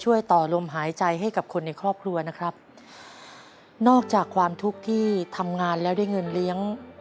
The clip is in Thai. ต่อลมหายใจให้กับคนในครอบครัวนะครับนอกจากความทุกข์ที่ทำงานแล้วได้เงินเลี้ยง